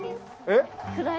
えっ？